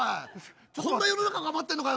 こんな世の中が待ってんのかよ。